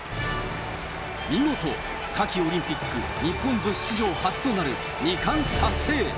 見事、夏季オリンピック日本女子史上初となる２冠達成。